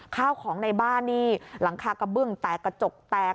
ข้าวของในบ้านนี่หลังคากระเบื้องแตกกระจกแตก